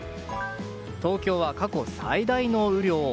東京は過去最大の雨量。